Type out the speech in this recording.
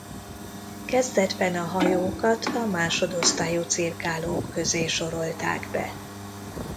Kezdetben a hajókat a másodosztályú cirkálók közé sorolták be.